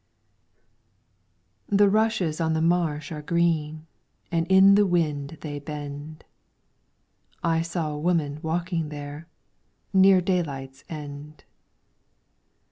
The rushes on the marsh are green, And in the wind they bend. I saw a woman walking there, Near daylight's end.